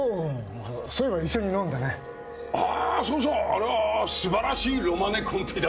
あれは素晴らしい「ロマネ・コンティ」だった。